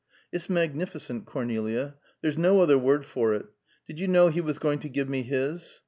It's magnificent, Cornelia. There's no other word for it. Did you know he was going to give me his?"